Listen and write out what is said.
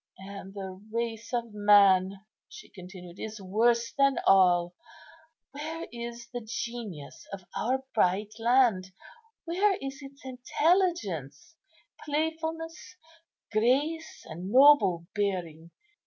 "And the race of man," she continued, "is worse than all. Where is the genius of our bright land? where its intelligence, playfulness, grace, and noble bearing?